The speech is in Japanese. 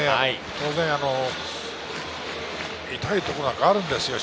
当然、痛いところはあるんですよ。